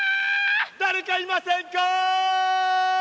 だれかいませんか？